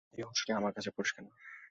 এই অংশটা আমার কাছে পরিষ্কার না।